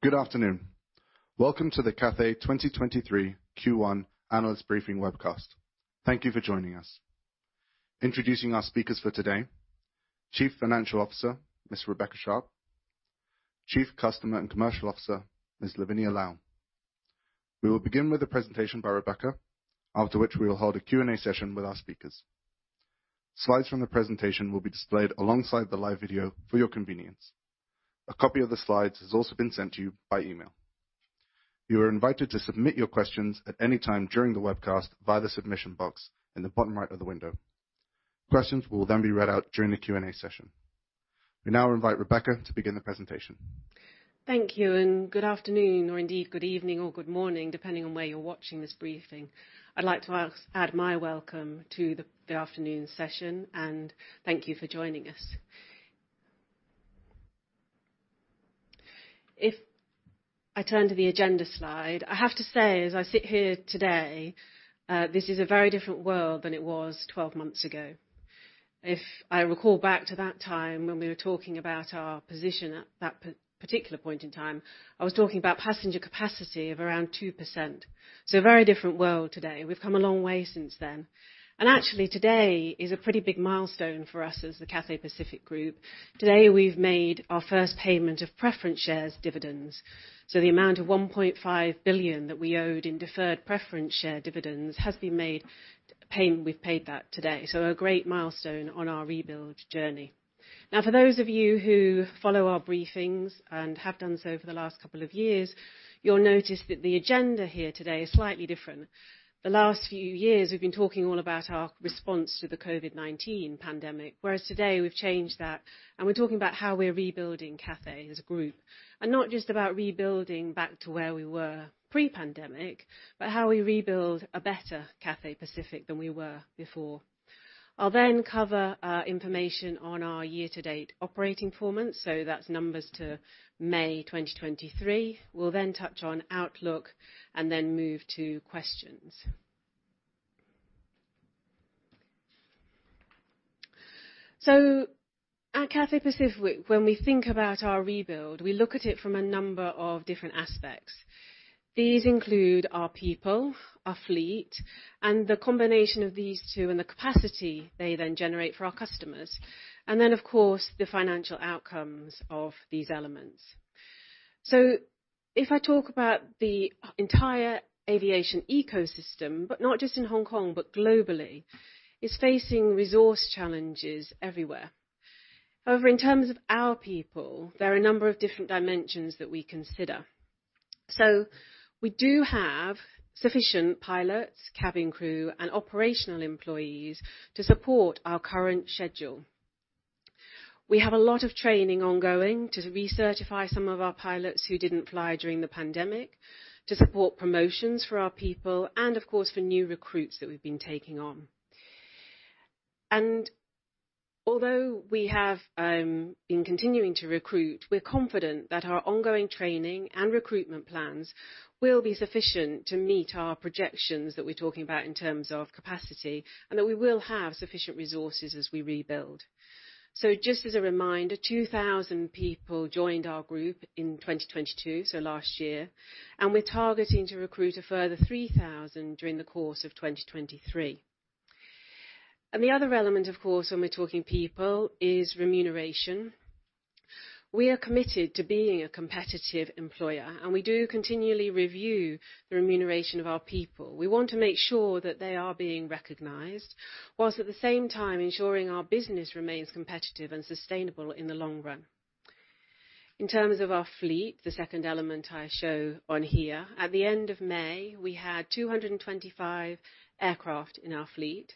Good afternoon. Welcome to the Cathay 2023 Q1 Analyst Briefing Webcast. Thank you for joining us. Introducing our speakers for today, Chief Financial Officer, Ms. Rebecca Sharpe, Chief Customer and Commercial Officer, Ms. Lavinia Lau. We will begin with a presentation by Rebecca, after which we will hold a Q&A session with our speakers. Slides from the presentation will be displayed alongside the live video for your convenience. A copy of the slides has also been sent to you by email. You are invited to submit your questions at any time during the webcast via the submission box in the bottom right of the window. Questions will be read out during the Q&A session. We now invite Rebecca to begin the presentation. Thank you. Good afternoon, or indeed, good evening or good morning, depending on where you're watching this briefing. I'd like to add my welcome to the afternoon session, and thank you for joining us. If I turn to the agenda slide, I have to say, as I sit here today, this is a very different world than it was 12 months ago. If I recall back to that time when we were talking about our position at that particular point in time, I was talking about passenger capacity of around 2%. A very different world today. We've come a long way since then, and actually, today is a pretty big milestone for us as the Cathay Pacific Group. Today, we've made our first payment of preference shares dividends, so the amount of 1.5 billion that we owed in deferred preference shares dividends has been made. Payment, we've paid that today, so a great milestone on our rebuild journey. For those of you who follow our briefings and have done so over the last couple of years, you'll notice that the agenda here today is slightly different. The last few years, we've been talking all about our response to the COVID-19 pandemic, whereas today, we've changed that, and we're talking about how we're rebuilding Cathay as a group, and not just about rebuilding back to where we were pre-pandemic, but how we rebuild a better Cathay Pacific than we were before. I'll then cover information on our year-to-date operating performance, so that's numbers to May 2023. We'll then touch on outlook and then move to questions. At Cathay Pacific, when we think about our rebuild, we look at it from a number of different aspects. These include our people, our fleet, and the combination of these two and the capacity they then generate for our customers, and then, of course, the financial outcomes of these elements. If I talk about the entire aviation ecosystem, but not just in Hong Kong, but globally, it's facing resource challenges everywhere. However, in terms of our people, there are a number of different dimensions that we consider. We do have sufficient pilots, cabin crew, and operational employees to support our current schedule. We have a lot of training ongoing to recertify some of our pilots who didn't fly during the pandemic, to support promotions for our people and, of course, for new recruits that we've been taking on. Although we have been continuing to recruit, we're confident that our ongoing training and recruitment plans will be sufficient to meet our projections that we're talking about in terms of capacity, and that we will have sufficient resources as we rebuild. Just as a reminder, 2,000 people joined our group in 2022, so last year, and we're targeting to recruit a further 3,000 during the course of 2023. The other element, of course, when we're talking people, is remuneration. We are committed to being a competitive employer, and we do continually review the remuneration of our people. We want to make sure that they are being recognized, while at the same time ensuring our business remains competitive and sustainable in the long run. In terms of our fleet, the second element I show on here, at the end of May, we had 225 aircraft in our fleet.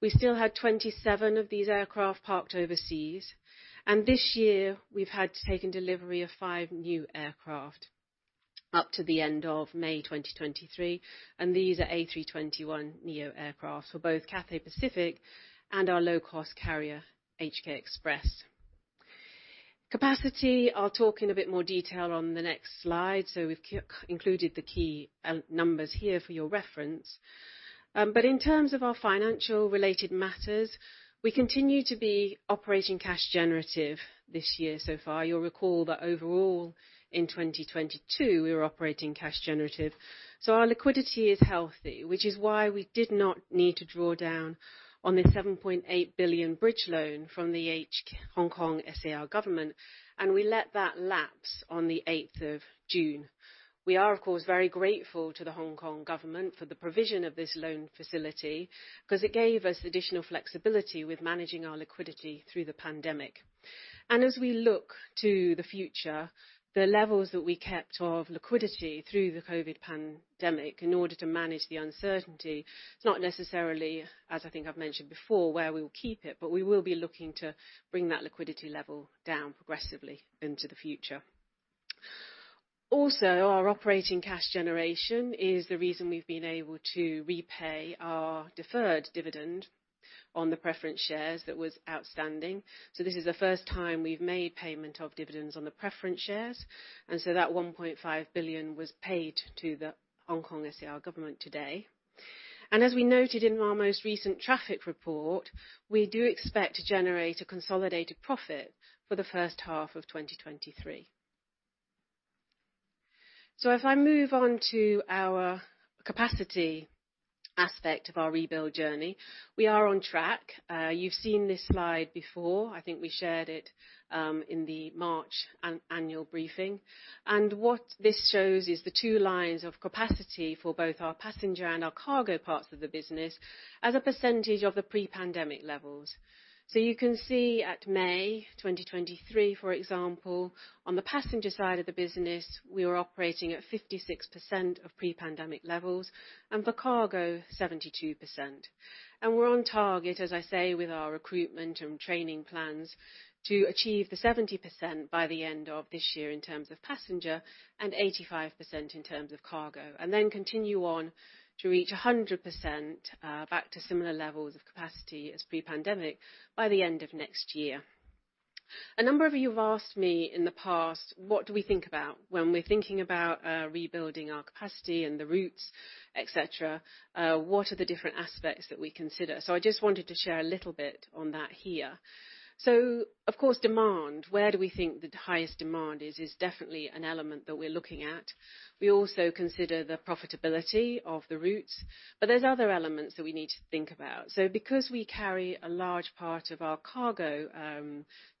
We still had 27 of these aircraft parked overseas, and this year we've had to take in delivery of five new aircraft up to the end of May 2023, and these are A321neo aircraft for both Cathay Pacific and our low-cost carrier, HK Express. Capacity, I'll talk in a bit more detail on the next slide. We've included the key numbers here for your reference. But in terms of our financial related matters, we continue to be operating cash generative this year so far. You'll recall that overall, in 2022, we were operating cash generative, our liquidity is healthy, which is why we did not need to draw down on the 7.8 billion bridge loan from the HKSAR Government, we let that lapse on the 8th of June. We are, of course, very grateful to the HKSAR Government for the provision of this loan facility, because it gave us additional flexibility with managing our liquidity through the pandemic. As we look to the future, the levels that we kept of liquidity through the COVID pandemic in order to manage the uncertainty, it's not necessarily, as I think I've mentioned before, where we will keep it, we will be looking to bring that liquidity level down progressively into the future. Our operating cash generation is the reason we've been able to repay our deferred dividend on the preference shares that was outstanding. This is the first time we've made payment of dividends on the preference shares, and so that 1.5 billion was paid to the HKSAR Government today. As we noted in our most recent traffic report, we do expect to generate a consolidated profit for the first half of 2023. If I move on to our capacity aspect of our rebuild journey, we are on track. You've seen this slide before. I think we shared it in the March annual briefing, and what this shows is the two lines of capacity for both our passenger and our cargo parts of the business as a percentage of the pre-pandemic levels. You can see at May 2023, for example, on the passenger side of the business, we were operating at 56% of pre-pandemic levels, and for cargo, 72%. We're on target, as I say, with our recruitment and training plans, to achieve the 70% by the end of this year in terms of passenger and 85% in terms of cargo, and then continue on to reach 100% back to similar levels of capacity as pre-pandemic by the end of next year. A number of you have asked me in the past, what do we think about when we're thinking about rebuilding our capacity and the routes, et cetera, what are the different aspects that we consider? I just wanted to share a little bit on that here. Of course, demand, where do we think the highest demand is definitely an element that we're looking at. We also consider the profitability of the routes, but there's other elements that we need to think about. Because we carry a large part of our cargo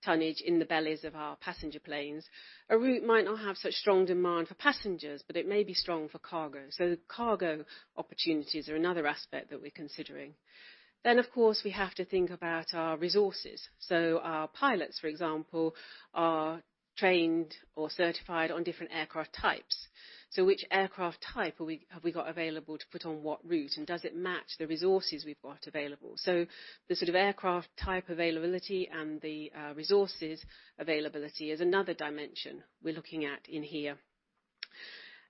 tonnage in the bellies of our passenger planes, a route might not have such strong demand for passengers, but it may be strong for cargo. The cargo opportunities are another aspect that we're considering. Of course, we have to think about our resources. Our pilots, for example, are trained or certified on different aircraft types. Which aircraft type have we got available to put on what route, and does it match the resources we've got available? The sort of aircraft type availability and the resources availability is another dimension we're looking at in here.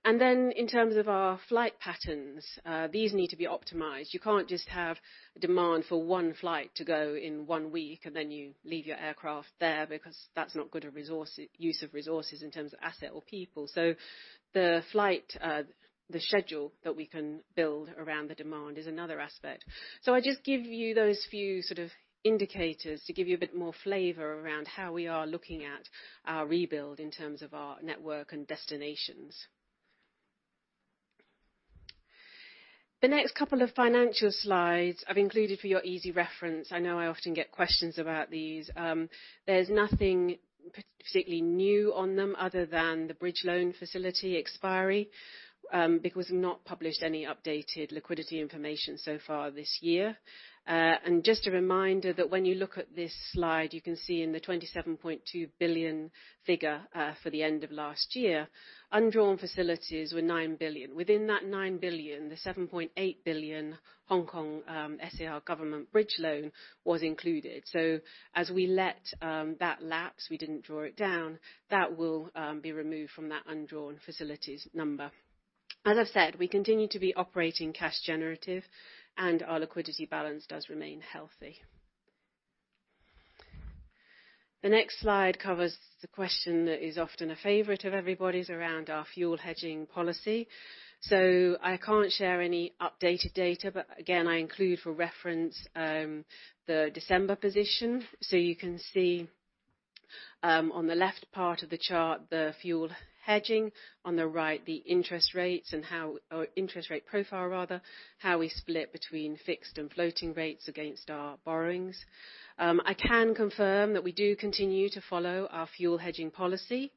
In terms of our flight patterns, these need to be optimized. You can't just have demand for one flight to go in one week, and then you leave your aircraft there, because that's not good at use of resources in terms of asset or people. The flight, the schedule that we can build around the demand is another aspect. I just give you those few sort of indicators to give you a bit more flavor around how we are looking at our rebuild in terms of our network and destinations. The next couple of financial slides I've included for your easy reference. I know I often get questions about these. There's nothing particularly new on them other than the bridge loan facility expiry, because we've not published any updated liquidity information so far this year. Just a reminder that when you look at this slide, you can see in the 27.2 billion figure for the end of last year, undrawn facilities were 9 billion. Within that 9 billion, the HKD 7.8 billion Hong Kong SAR Government bridge loan was included. As we let that lapse, we didn't draw it down, that will be removed from that undrawn facilities number. As I've said, we continue to be operating cash generative, and our liquidity balance does remain healthy. The next slide covers the question that is often a favorite of everybody's, around our fuel hedging policy. I can't share any updated data, but again, I include for reference, the December position. You can see, on the left part of the chart, the fuel hedging, on the right, the interest rates or interest rate profile, rather, how we split between fixed and floating rates against our borrowings. I can confirm that we do continue to follow our fuel hedging policy,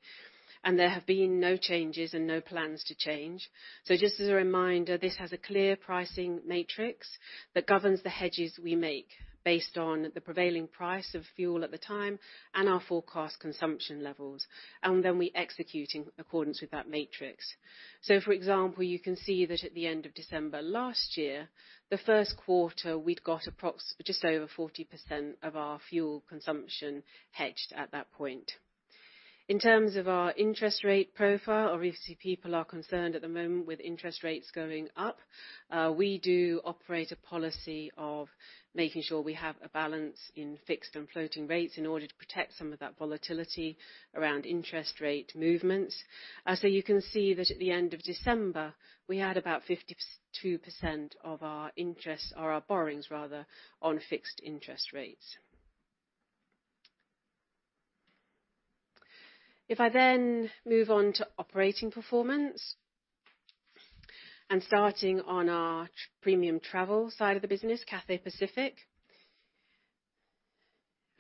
and there have been no changes and no plans to change. Just as a reminder, this has a clear pricing matrix that governs the hedges we make based on the prevailing price of fuel at the time and our forecast consumption levels, and then we execute in accordance with that matrix. For example, you can see that at the end of December last year, the first quarter, we'd got just over 40% of our fuel consumption hedged at that point. In terms of our interest rate profile, obviously, people are concerned at the moment with interest rates going up. We do operate a policy of making sure we have a balance in fixed and floating rates in order to protect some of that volatility around interest rate movements. You can see that at the end of December, we had about 52% of our interest, or our borrowings rather, on fixed interest rates. I move on to operating performance, starting on our premium travel side of the business, Cathay Pacific,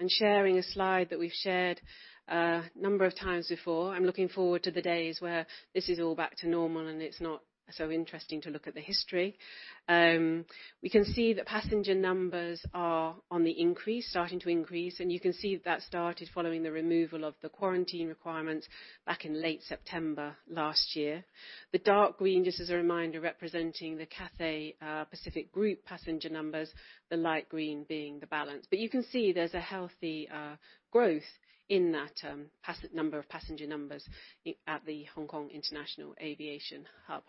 I'm sharing a slide that we've shared a number of times before. I'm looking forward to the days where this is all back to normal, it's not so interesting to look at the history. We can see that passenger numbers are on the increase, starting to increase, you can see that started following the removal of the quarantine requirements back in late September last year. The dark green, just as a reminder, representing the Cathay Pacific Group passenger numbers, the light green being the balance. You can see there's a healthy growth in that number of passenger numbers at the Hong Kong International Aviation Hub.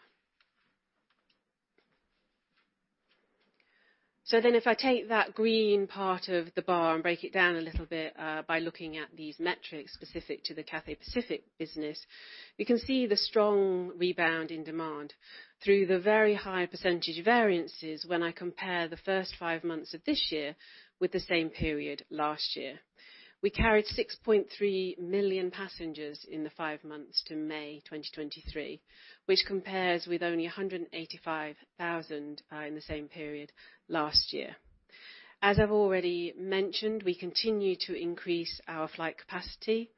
If I take that green part of the bar and break it down a little bit, by looking at these metrics specific to the Cathay Pacific business, we can see the strong rebound in demand through the very high percentage variances when I compare the first five months of this year with the same period last year. We carried 6.3 million passengers in the five months to May 2023, which compares with only 185,000 in the same period last year. As I've already mentioned, we continue to increase our flight capacity,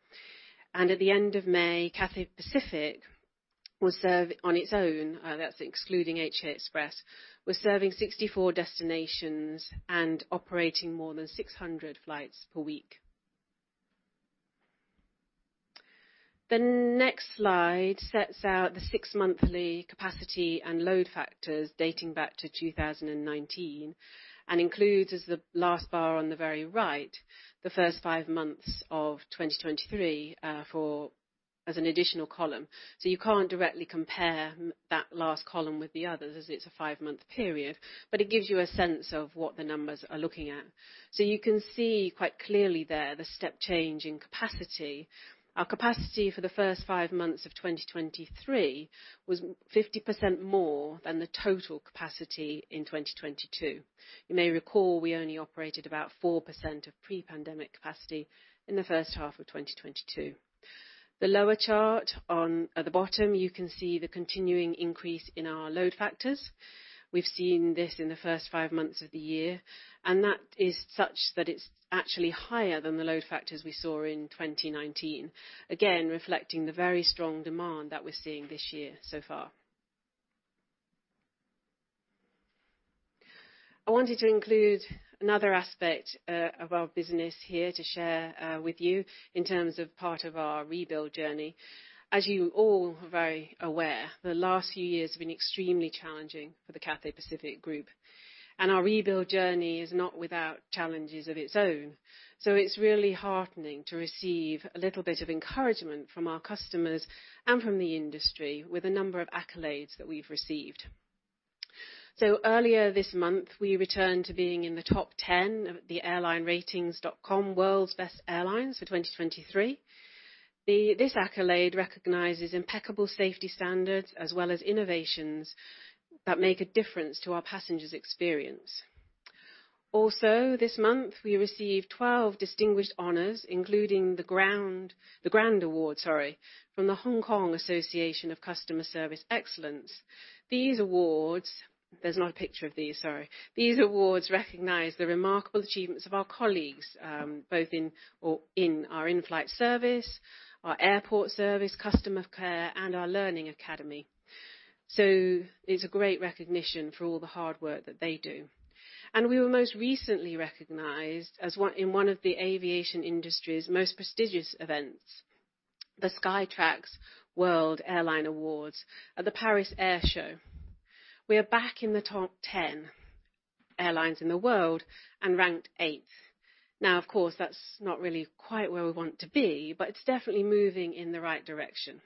and at the end of May, Cathay Pacific was serve on its own, that's excluding HK Express, was serving 64 destinations and operating more than 600 flights per week. The next slide sets out the six monthly capacity and load factors dating back to 2019. Includes, as the last bar on the very right, the first five months of 2023, for as an additional column. You can't directly compare that last column with the others, as it's a 5-month period, but it gives you a sense of what the numbers are looking at. You can see quite clearly there, the step change in capacity. Our capacity for the first five months of 2023 was 50% more than the total capacity in 2022. You may recall, we only operated about 4% of pre-pandemic capacity in the first half of 2022. The lower chart at the bottom, you can see the continuing increase in our load factors. We've seen this in the first five months of the year, that is such that it's actually higher than the load factors we saw in 2019. Again, reflecting the very strong demand that we're seeing this year so far. I wanted to include another aspect of our business here to share with you in terms of part of our rebuild journey. As you all are very aware, the last few years have been extremely challenging for the Cathay Pacific Group, and our rebuild journey is not without challenges of its own. It's really heartening to receive a little bit of encouragement from our customers and from the industry with a number of accolades that we've received. Earlier this month, we returned to being in the top 10 of the AirlineRatings.com World's Best Airlines for 2023. This accolade recognizes impeccable safety standards, as well as innovations that make a difference to our passengers' experience. Also, this month, we received 12 distinguished honors, including the Grand Award, sorry, from the Hong Kong Association for Customer Service Excellence. These awards. There's not a picture of these, sorry. These awards recognize the remarkable achievements of our colleagues, both in our in-flight service, our airport service, customer care, and our learning academy. It's a great recognition for all the hard work that they do. We were most recently recognized in one of the aviation industry's most prestigious events, the Skytrax World Airline Awards at the Paris Air Show. We are back in the top 10 airlines in the world and ranked 8th. Of course, that's not really quite where we want to be, but it's definitely moving in the right direction.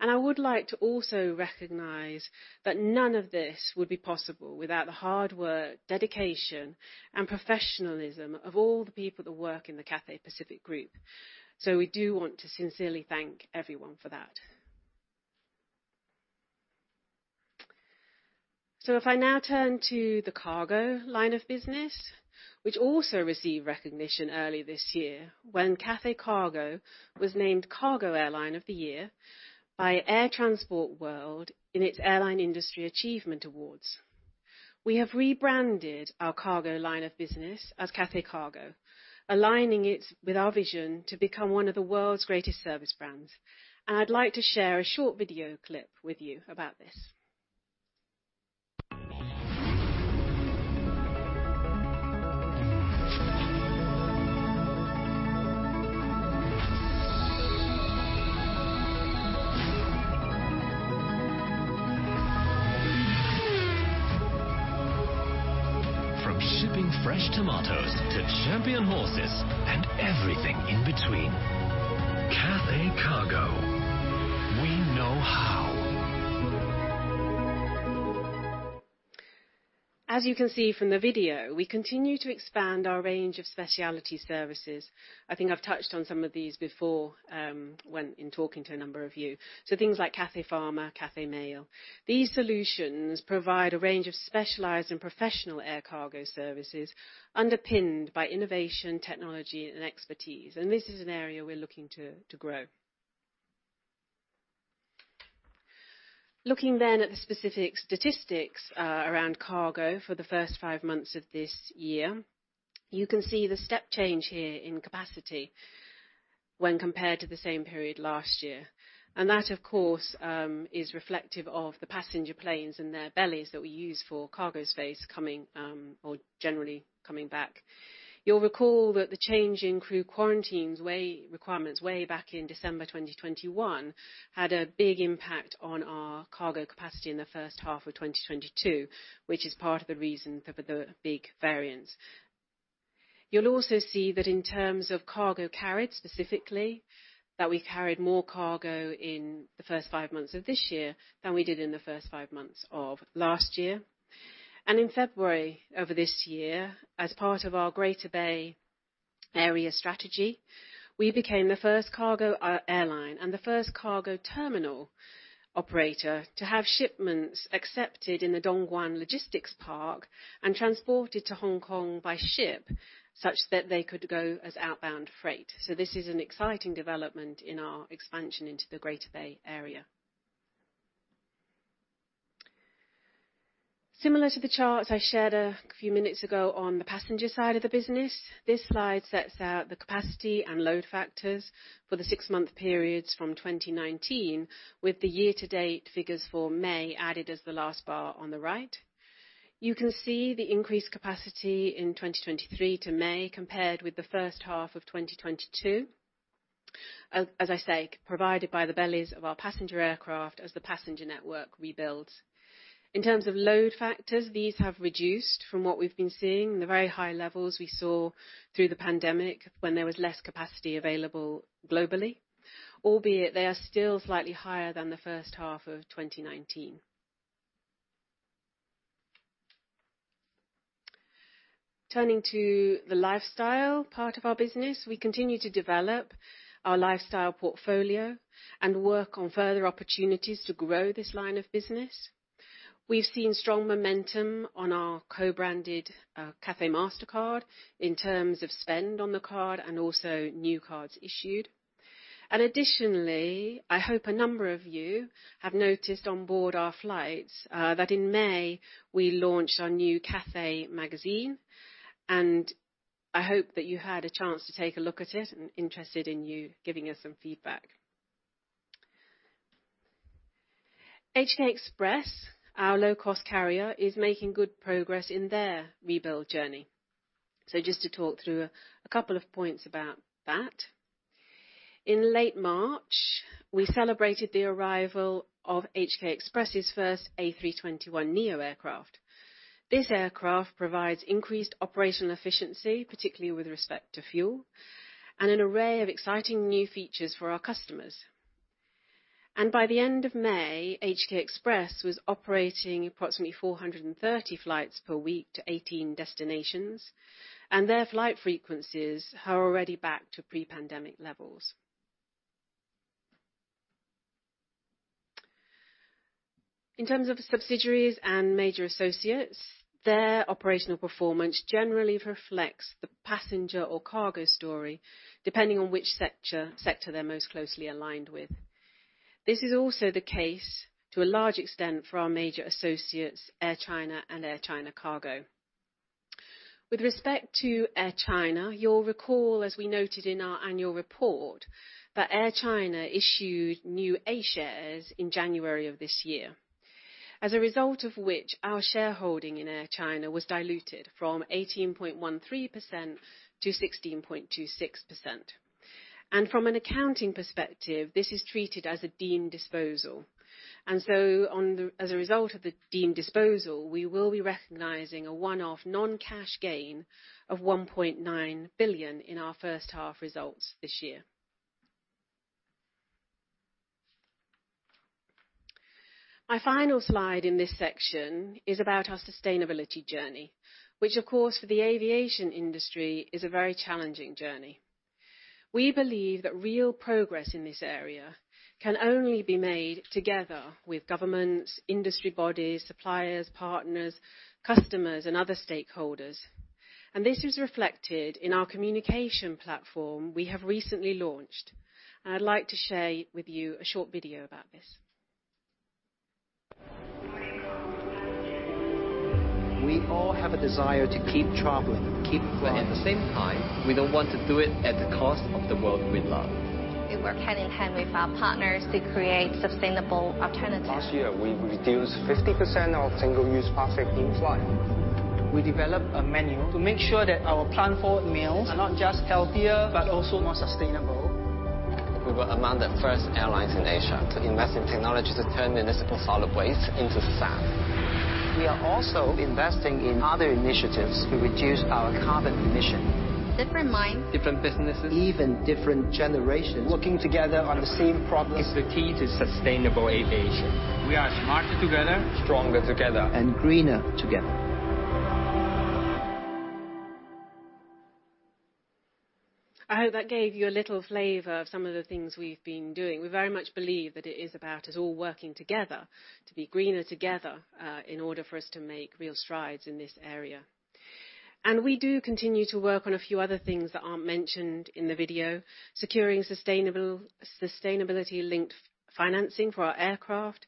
I would like to also recognize that none of this would be possible without the hard work, dedication, and professionalism of all the people that work in the Cathay Pacific Group. We do want to sincerely thank everyone for that. If I now turn to the cargo line of business, which also received recognition early this year when Cathay Cargo was named Cargo Airline of the Year by Air Transport World in its Airline Industry Achievement Awards. We have rebranded our cargo line of business as Cathay Cargo, aligning it with our vision to become one of the world's greatest service brands, and I'd like to share a short video clip with you about this. From shipping fresh tomatoes to champion horses and everything in between, Cathay Cargo: We know how. As you can see from the video, we continue to expand our range of specialty services. I think I've touched on some of these before, when in talking to a number of you. Things like Cathay Pharma, Cathay Mail. These solutions provide a range of specialized and professional air cargo services, underpinned by innovation, technology, and expertise, and this is an area we're looking to grow. Looking then at the specific statistics, around cargo for the first five months of this year, you can see the step change here in capacity when compared to the same period last year. That, of course, is reflective of the passenger planes and their bellies that we use for cargo space coming, or generally coming back. You'll recall that the change in crew quarantines requirements way back in December 2021 had a big impact on our cargo capacity in the first half of 2022, which is part of the reason for the big variance. You'll also see that in terms of cargo carried, specifically, that we carried more cargo in the first five months of this year than we did in the first five months of last year. In February of this year, as part of our Greater Bay Area strategy, we became the first cargo airline and the first cargo terminal operator to have shipments accepted in the Dongguan Logistics Park and transported to Hong Kong by ship, such that they could go as outbound freight. This is an exciting development in our expansion into the Greater Bay Area. Similar to the charts I shared a few minutes ago on the passenger side of the business, this slide sets out the capacity and load factors for the six-month periods from 2019, with the year-to-date figures for May added as the last bar on the right. You can see the increased capacity in 2023 to May, compared with the first half of 2022, as I say, provided by the bellies of our passenger aircraft as the passenger network rebuilds. In terms of load factors, these have reduced from what we've been seeing, the very high levels we saw through the pandemic when there was less capacity available globally, albeit they are still slightly higher than the first half of 2019. Turning to the lifestyle part of our business, we continue to develop our lifestyle portfolio and work on further opportunities to grow this line of business. We've seen strong momentum on our co-branded Cathay Mastercard in terms of spend on the card and also new cards issued. Additionally, I hope a number of you have noticed on board our flights that in May, we launched our new Cathay magazine, and I hope that you had a chance to take a look at it, and interested in you giving us some feedback. HK Express, our low-cost carrier, is making good progress in their rebuild journey. Just to talk through a couple of points about that. In late March, we celebrated the arrival of HK Express's first A321neo aircraft. This aircraft provides increased operational efficiency, particularly with respect to fuel, and an array of exciting new features for our customers. By the end of May, HK Express was operating approximately 430 flights per week to 18 destinations, and their flight frequencies are already back to pre-pandemic levels. In terms of subsidiaries and major associates, their operational performance generally reflects the passenger or cargo story, depending on which sector they're most closely aligned with. This is also the case, to a large extent, for our major associates, Air China and Air China Cargo. With respect to Air China, you'll recall, as we noted in our annual report, that Air China issued new A shares in January of this year, as a result of which, our shareholding in Air China was diluted from 18.13% to 16.26%. From an accounting perspective, this is treated as a deemed disposal. As a result of the deemed disposal, we will be recognizing a one-off non-cash gain of 1.9 billion in our first half results this year. My final slide in this section is about our sustainability journey, which, of course, for the aviation industry, is a very challenging journey. We believe that real progress in this area can only be made together with governments, industry bodies, suppliers, partners, customers, and other stakeholders. This is reflected in our communication platform we have recently launched, and I'd like to share with you a short video about this. We all have a desire to keep traveling, keep flying. At the same time, we don't want to do it at the cost of the world we love. We work hand in hand with our partners to create sustainable alternatives. Last year, we reduced 50% of single-use plastic in-flight. We developed a menu to make sure that our plant-forward meals are not just healthier, but also more sustainable. We were among the first airlines in Asia to invest in technology to turn municipal solid waste into SAF. We are also investing in other initiatives to reduce our carbon emissions. Different minds, different businesses, even different generations, working together on the same problem, is the key to sustainable aviation. We are smarter together. Stronger together. Greener together. I hope that gave you a little flavor of some of the things we've been doing. We very much believe that it is about us all working together to be greener together, in order for us to make real strides in this area. We do continue to work on a few other things that aren't mentioned in the video, securing sustainability-linked financing for our aircraft,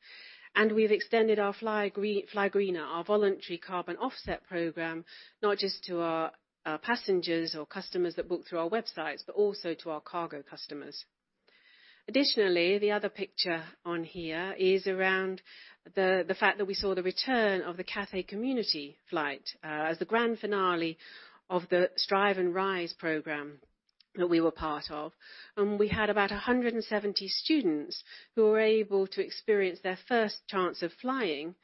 and we've extended our Fly Greener, our voluntary carbon offset program, not just to our passengers or customers that book through our websites, but also to our cargo customers. The other picture on here is around the fact that we saw the return of the Cathay Community Flight, as the grand finale of the Strive and Rise Programme. that we were part of, and we had about 170 students who were able to experience their first chance of flying,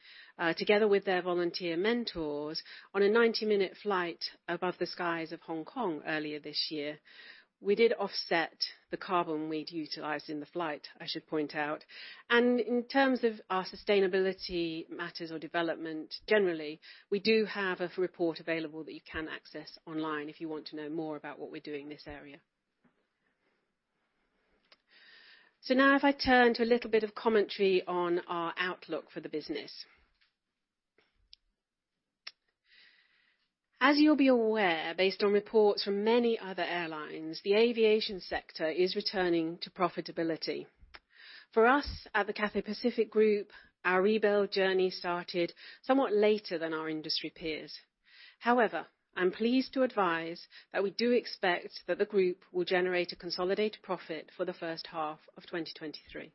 together with their volunteer mentors on a 90-minute flight above the skies of Hong Kong earlier this year. We did offset the carbon we'd utilized in the flight, I should point out. In terms of our sustainability matters or development, generally, we do have a report available that you can access online if you want to know more about what we're doing in this area. Now if I turn to a little bit of commentary on our outlook for the business. As you'll be aware, based on reports from many other airlines, the aviation sector is returning to profitability. For us, at the Cathay Pacific Group, our rebuild journey started somewhat later than our industry peers. I'm pleased to advise that we do expect that the group will generate a consolidated profit for the first half of 2023.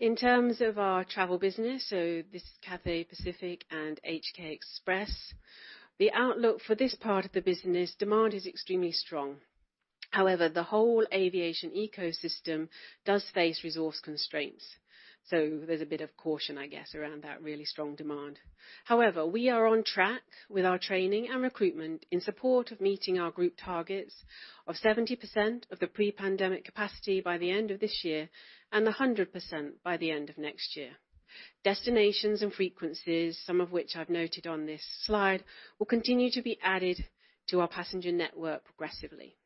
In terms of our travel business, so this is Cathay Pacific and HK Express, the outlook for this part of the business, demand is extremely strong. The whole aviation ecosystem does face resource constraints, so there's a bit of caution, I guess, around that really strong demand. We are on track with our training and recruitment in support of meeting our group targets of 70% of the pre-pandemic capacity by the end of this year, and 100% by the end of next year. Destinations and frequencies, some of which I've noted on this slide, will continue to be added to our passenger network progressively.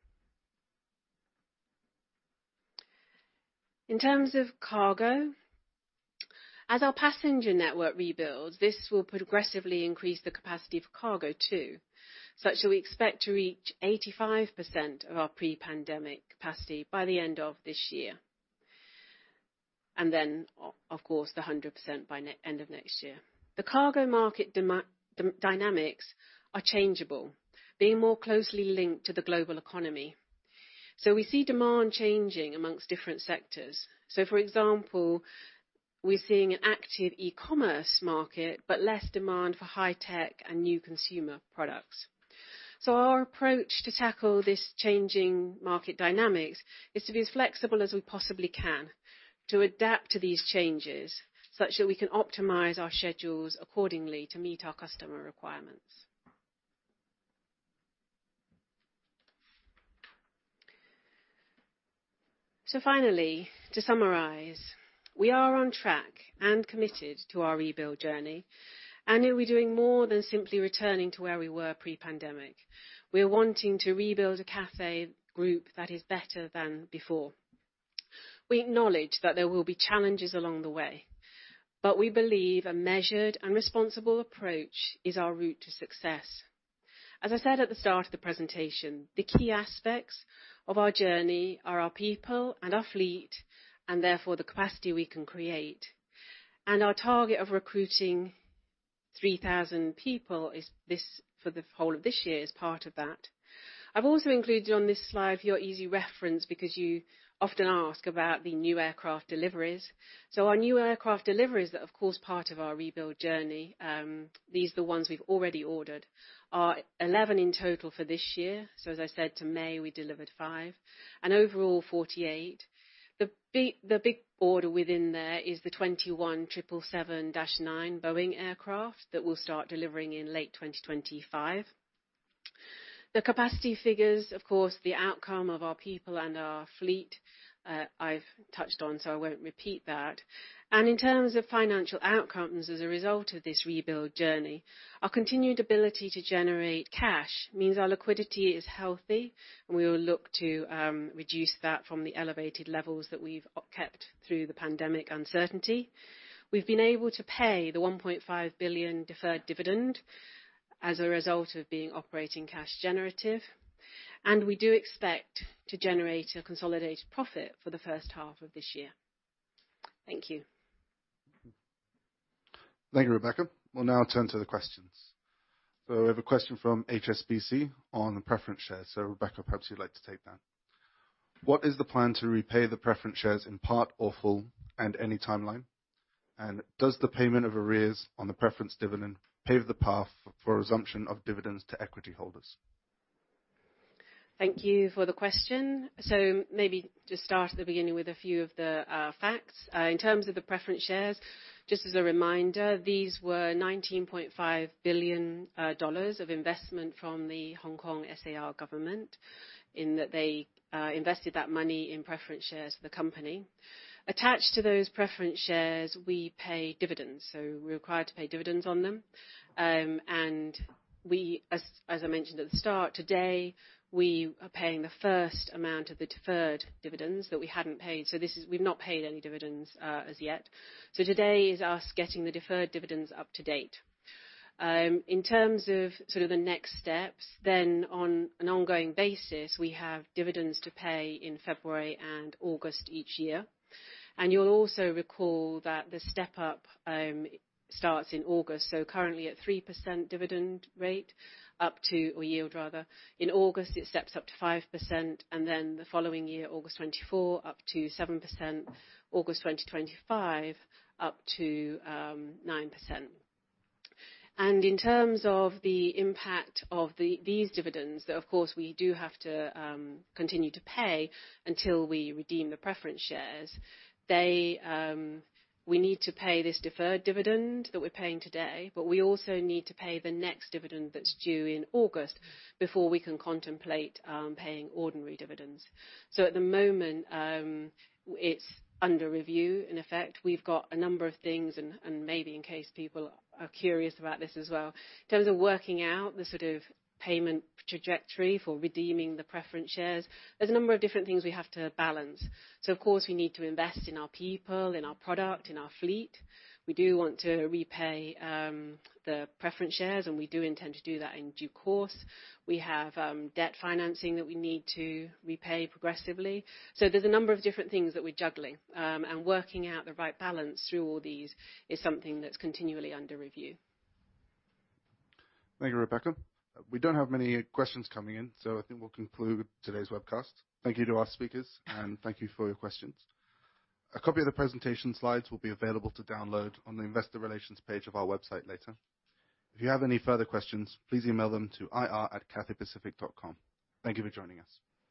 In terms of cargo, as our passenger network rebuilds, this will progressively increase the capacity for cargo, too, such that we expect to reach 85% of our pre-pandemic capacity by the end of this year. Of course, the 100% by end of next year. The cargo market dynamics are changeable, being more closely linked to the global economy. We see demand changing among different sectors. For example, we're seeing an active e-commerce market, but less demand for high tech and new consumer products. Our approach to tackle this changing market dynamics is to be as flexible as we possibly can to adapt to these changes, such that we can optimize our schedules accordingly to meet our customer requirements. Finally, to summarize, we are on track and committed to our rebuild journey, and we'll be doing more than simply returning to where we were pre-pandemic. We are wanting to rebuild a Cathay Group that is better than before. We acknowledge that there will be challenges along the way, but we believe a measured and responsible approach is our route to success. As I said at the start of the presentation, the key aspects of our journey are our people and our fleet, and therefore, the capacity we can create. Our target of recruiting 3,000 people for the whole of this year is part of that. I've also included on this slide, for your easy reference, because you often ask about the new aircraft deliveries. Our new aircraft deliveries are, of course, part of our rebuild journey. These are the ones we've already ordered. Are 11 in total for this year. As I said, to May, we delivered five, and overall, 48. The big order within there is the 21 777-9 Boeing aircraft that will start delivering in late 2025. The capacity figures, of course, the outcome of our people and our fleet, I've touched on, so I won't repeat that. In terms of financial outcomes, as a result of this rebuild journey, our continued ability to generate cash means our liquidity is healthy, and we will look to reduce that from the elevated levels that we've kept through the pandemic uncertainty. We've been able to pay the 1.5 billion deferred dividend as a result of being operating cash generative. We do expect to generate a consolidated profit for the first half of this year. Thank you. Thank you, Rebecca. We'll now turn to the questions. We have a question from HSBC on preference shares. Rebecca, perhaps you'd like to take that. What is the plan to repay the preference shares in part or full, and any timeline? Does the payment of arrears on the preference dividend pave the path for resumption of dividends to equity holders? Thank you for the question. Maybe just start at the beginning with a few of the facts. In terms of the preference shares, just as a reminder, these were 19.5 billion dollars of investment from the HKSAR Government, in that they invested that money in preference shares of the company. Attached to those preference shares, we pay dividends, we're required to pay dividends on them. We, as I mentioned at the start, today, we are paying the first amount of the deferred dividends that we hadn't paid. We've not paid any dividends as yet. Today is us getting the deferred dividends up to date. In terms of sort of the next steps, on an ongoing basis, we have dividends to pay in February and August each year. You'll also recall that the step up starts in August, so currently at 3% dividend rate, or yield, rather. In August, it steps up to 5%, and then the following year, August 2024, up to 7%, August 2025, up to 9%. In terms of the impact of these dividends, that of course we do have to continue to pay until we redeem the preference shares. We need to pay this deferred dividend that we're paying today, but we also need to pay the next dividend that's due in August before we can contemplate paying ordinary dividends. At the moment, it's under review. In effect, we've got a number of things, and maybe in case people are curious about this as well, in terms of working out the sort of payment trajectory for redeeming the preference shares, there's a number of different things we have to balance. Of course, we need to invest in our people, in our product, in our fleet. We do want to repay the preference shares, and we do intend to do that in due course. We have debt financing that we need to repay progressively. There's a number of different things that we're juggling, and working out the right balance through all these is something that's continually under review. Thank you, Rebecca. We don't have many questions coming in, so I think we'll conclude today's webcast. Thank you to our speakers, thank you for your questions. A copy of the presentation slides will be available to download on the Investor Relations page of our website later. If you have any further questions, please email them to ir@cathaypacific.com. Thank you for joining us.